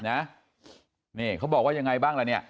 นี่เขาบอกว่ายังไงบ้างล่ะเนี่ย